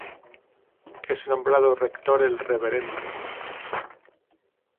Es nombrado Rector el Rvdo.